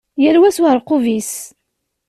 Yal wa s uεerqub-is.